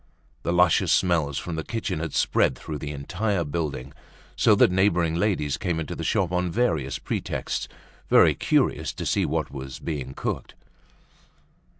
The luscious smells from the kitchen had spread through the entire building so that neighboring ladies came into the shop on various pretexts, very curious to see what was being cooked.